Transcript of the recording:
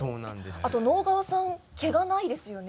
あと直川さん毛がないですよね。